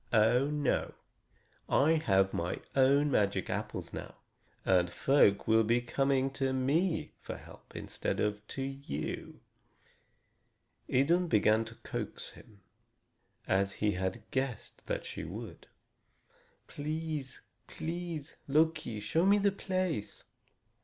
"Oh, no! I have my own magic apples now, and folk will be coming to me for help instead of to you." Idun began to coax him, as he had guessed that she would: "Please, please, Loki, show me the place!"